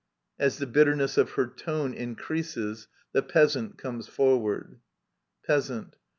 .•. [/is the bitterness of her tone increases^ the Peasant comes forward. Peasant.